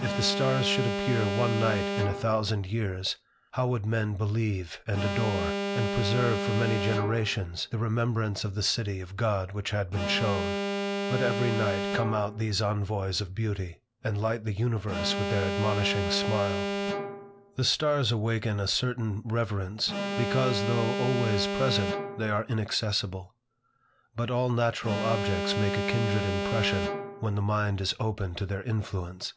If the stars should appear one night in a thousand years, how would men believe and adore; and preserve for many generations the remembrance of the city of God which had been shown! But every night come out these envoys of beauty, and light the universe with their admonishing smile. The stars awaken a certain reverence, because though always present, they are inaccessible; but all natural objects make a kindred impression, when the mind is open to their influence.